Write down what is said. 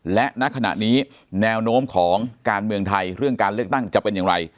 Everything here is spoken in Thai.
และณขณะนี้แนวโน้มของการเมืองไทยเรื่องการเลือกตั้งจะเป็นอย่างไร